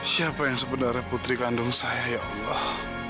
siapa yang sebenarnya putri kandung saya ya allah